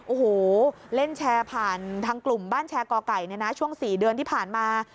โอ้โหเล่นแชร์ผ่านทางกลุ่มบ้านแชร์ก่อไก่เนี่ยนะช่วง๔เดือนที่ผ่านมา